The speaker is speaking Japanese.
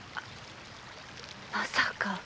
まさか！